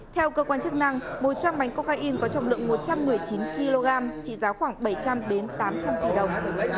theo cơ quan chức năng một trăm linh bánh cocaine có trọng lượng một trăm một mươi chín kg trị giá khoảng bảy trăm linh tám trăm linh tỷ đồng